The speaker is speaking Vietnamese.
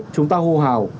chúng ta hô hào